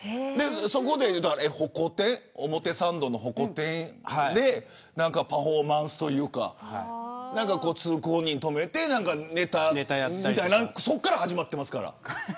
そこで表参道のほこ天でパフォーマンスというか通行人止めてネタみたいなののそこから始まってますから。